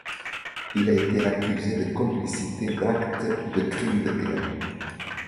Il a été accusé de complicité d'actes de crimes de guerre.